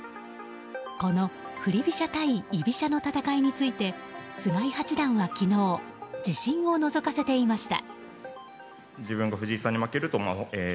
この振り飛車対居飛車の戦いについて菅井八段は昨日自信をのぞかせていました。